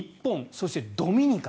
そしてドミニカ。